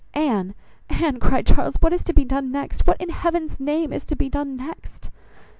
"Anne, Anne," cried Charles, "What is to be done next? What, in heaven's name, is to be done next?"